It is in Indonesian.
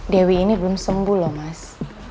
dewi ini belum sembuh loh mas